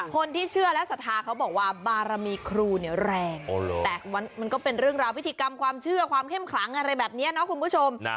คนที่เชื่อและศรัทธาเขาบอกว่าบารมีครูเนี่ยแรงแต่มันก็เป็นเรื่องราวพิธีกรรมความเชื่อความเข้มขลังอะไรแบบนี้เนาะคุณผู้ชม